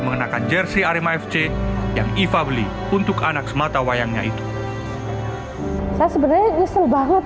mengenakan jersi arema fc yang iva beli untuk anak sematawayangnya itu saya sebenarnya isel banget